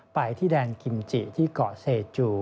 ไปที่แดนกิมจิที่เกาะเซจู